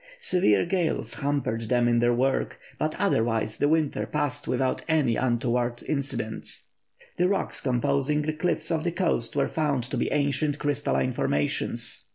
Severe gales hampered them in their work, but otherwise the winter passed without any untoward incidents. The rocks composing the cliffs of the coast were found to be ancient crystalline formations.